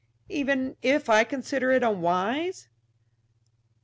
"Even if I consider it unwise?"